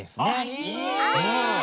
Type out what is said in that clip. いいね！